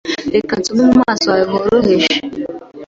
Reka nsome mu maso hawe horoheje